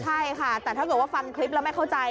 ใช่ค่ะแต่ถ้าเกิดว่าฟังคลิปแล้วไม่เข้าใจ